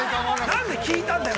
◆なんで聞いたんだよ！